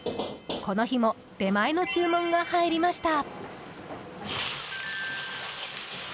この日も出前の注文が入りました。